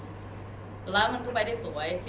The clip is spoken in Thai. แต่ราวมันก็ไม่ได้สวย